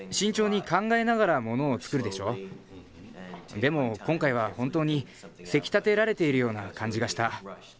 でも今回は本当にせきたてられているような感じがした。